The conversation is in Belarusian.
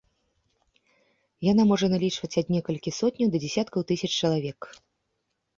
Яна можа налічваць ад некалькі сотняў да дзесяткаў тысяч чалавек.